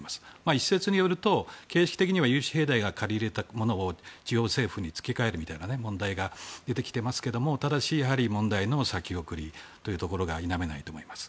一説によると形式的には融資平台が借り入れたものを地方政府に付け替えるみたいな問題が出てきていますがただ、問題の先送りというのが否めないと思います。